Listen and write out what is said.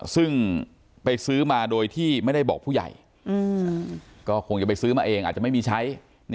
ซึ่งไปซื้อมาโดยที่ไม่ได้บอกผู้ใหญ่ก็คงจะไปซื้อมาเองอาจจะไม่มีใช้